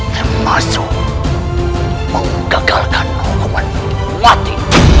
termasuk menggagalkan hukuman mati